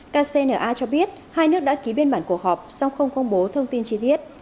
kcna cho biết hai nước đã ký biên bản cuộc họp sau không công bố thông tin chi tiết